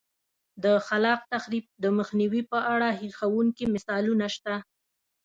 د خلاق تخریب د مخنیوي په اړه هیښوونکي مثالونه شته